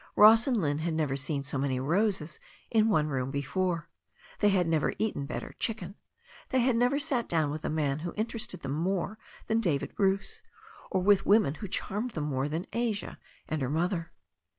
Ross and Lynne had never seen so many roses in one room before, they had never eaten better chicken, they had never sat down with a man who interested them more than David Bruce, or with women who charmed them more than Asia and her mother.